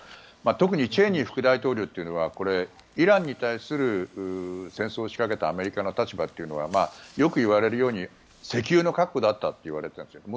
特にチェイニー副大統領というのはこれはイランに対する戦争を仕掛けたアメリカの立場というのはよくいわれるように石油の確保だったといわれているんです。